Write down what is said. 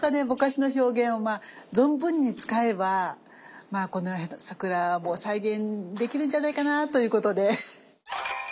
ぼかしの表現を存分に使えばまあこの桜も再現できるんじゃないかなということで。